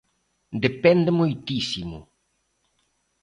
Depende moitísimo.